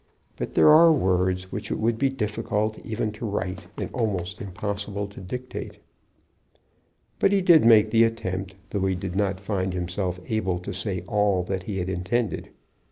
But there are words which it would be difficult even to write, and almost impossible to dictate." But he did make the attempt, though he did not find himself able to say all that he had intended.